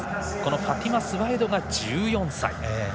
ファティマ・スワエドが１４歳。